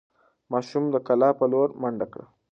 ماشوم د کلا په لور منډه کړه.